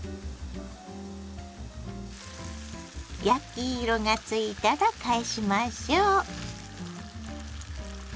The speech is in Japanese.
焼き色がついたら返しましょう。